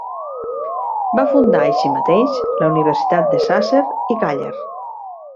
Va fundar, així mateix, la Universitat de Sàsser i Càller.